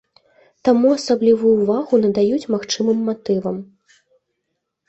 Таму асаблівую ўвагу надаюць магчымым матывам.